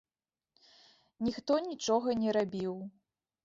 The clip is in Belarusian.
Ніхто нічога не рабіў.